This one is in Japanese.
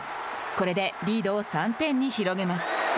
これでリードを３点に広げます。